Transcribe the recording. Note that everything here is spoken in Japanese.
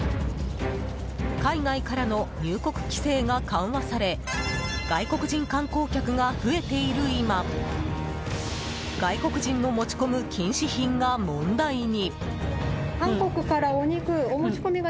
海外からの入国規制が緩和され外国人観光客が増えている今外国人の持ち込む禁止品が問題に。